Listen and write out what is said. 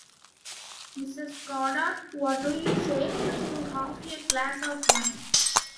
Mrs Goddard, what do you say to half a glass of wine?